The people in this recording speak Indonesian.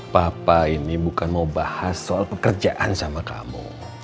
papa ini bukan mau bahas soal pekerjaan sama kamu